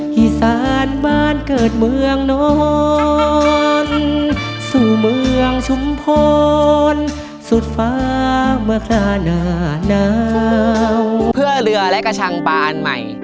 เพื่อเรือและกระชังปลาอันใหม่